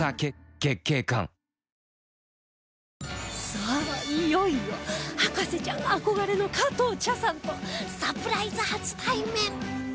さあいよいよ博士ちゃん憧れの加藤茶さんとサプライズ初対面！